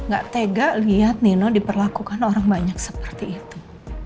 gak tega lihat nino diperlakukan orang banyak seperti itu